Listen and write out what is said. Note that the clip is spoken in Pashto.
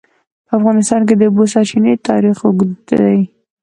په افغانستان کې د د اوبو سرچینې تاریخ اوږد دی.